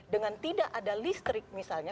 dengan tidak ada listrik misalnya